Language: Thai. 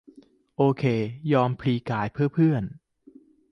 โอเค ยอมพลีกาย เพื่อเพื่อน